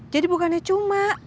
jadi bukannya cuma